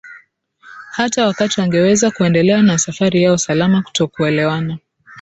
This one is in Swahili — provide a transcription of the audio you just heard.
hata wakati wangeweza kuendelea na safari yao salama Kutokuelewana